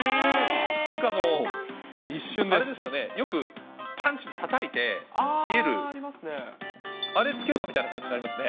なんかもうあれですよね、よく、パンチたたいて冷える、あれつけたみたいな感じになりますね。